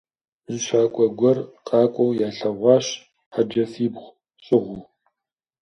Зы щакӀуэ гуэр къакӀуэу ялъэгъуащ, хьэджафибгъу щӀыгъуу.